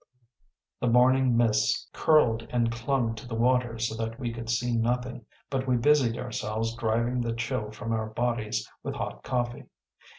The morning mists curled and clung to the water so that we could see nothing, but we busied ourselves driving the chill from our bodies with hot coffee.